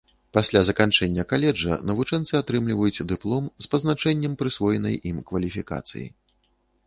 Пасля заканчэння каледжа навучэнцы атрымліваюць дыплом з пазначэннем прысвоенай ім кваліфікацыі.